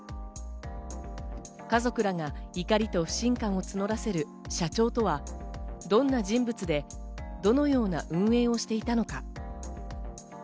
家族らが怒りと不信感を募らせる社長とはどんな人物で、どのような運営をしていたのか。